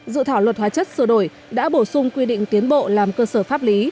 dự thảo luật hóa chất sửa đổi đã bổ sung quy định tiến bộ làm cơ sở pháp lý